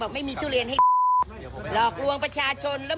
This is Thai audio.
ไม่มีทุเรียนให้จะมาทำไอ